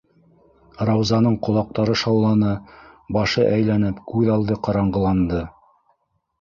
- Раузаның ҡолаҡтары шауланы, башы әйләнеп, күҙ алды ҡараңғыланды.